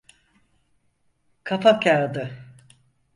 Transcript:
Kafakağıdı.